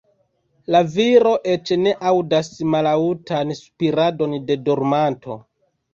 La viro eĉ ne aŭdas mallaŭtan spiradon de dormanto.